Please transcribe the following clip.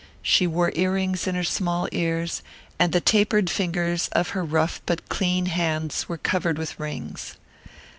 She wore earrings in her small ears, and the taper fingers of her rough but clean hands were covered with rings.